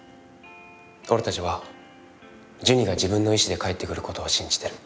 俺たちはジュニが自分の意志で帰ってくることを信じてる。